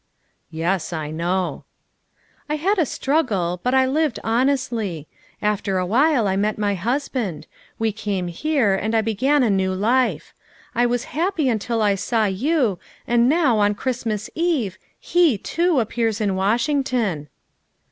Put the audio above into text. '' "Yes, I know." " I had a struggle, but I lived honestly. After awhile I met my husband; we came here and I began a new life. I was happy until I saw you, and now, on Christmas Eve, he too appears in Washington.